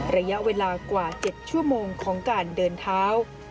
ระยะเวลากว่า๗ชั่วโมงของการเดินเท้า